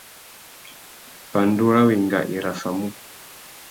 Pandú râ wenga i raffamú.